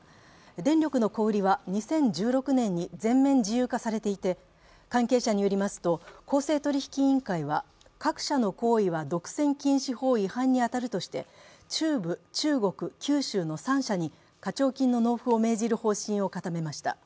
電力の小売りは２０１６年に全面自由化されていて関係者によりますと、公正取引委員会は各社の行為は独占禁止法違反に当たるとして中部、中国、九州の３社に課徴金の納付を命じる方針を固めました。